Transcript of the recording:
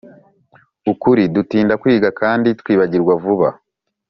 ukuri dutinda kwiga kandi twibagirwa vuba